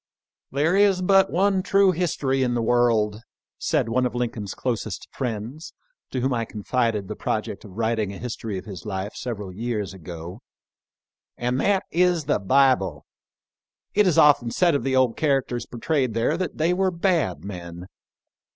" There is but one true history in the world," said one of Lincoln's closest friends to whom I con fided the project of writing a history of his life several years ago, "and that is the Bible. It is often said of the old characters portrayed there that they were bad men.